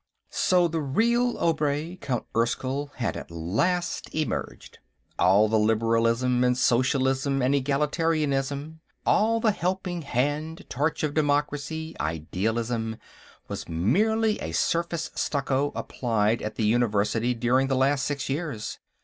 So the real Obray, Count Erskyll, had at last emerged. All the liberalism and socialism and egalitarianism, all the Helping Hand, Torch of Democracy, idealism, was merely a surface stucco applied at the university during the last six years.